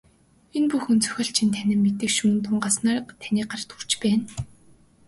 Энэ бүхэн зохиолчийн танин мэдэж, шүүн тунгааснаар таны гарт хүрч байна.